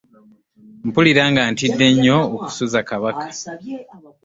Mpulira nga ntidde nnyo okusuza Kabaka.